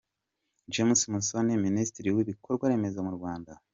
James Musoni, Minisitiri w’ibikorwa remezo mu Rwanda.